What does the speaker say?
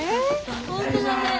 本当だね。